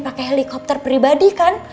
pakai helikopter pribadi kan